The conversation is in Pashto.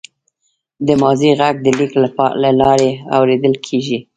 د ماضي غږ د لیک له لارې اورېدل کېږي.